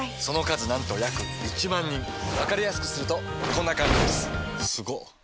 その数なんと約１万人わかりやすくするとこんな感じすごっ！